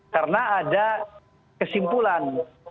karena ada kesimpulan